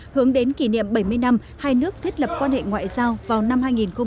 hướng đến kỷ niệm bảy mươi năm hai nước thiết lập quan hệ ngoại giao vào năm hai nghìn hai mươi